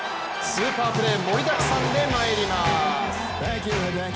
スーパープレー盛りだくさんでまいります。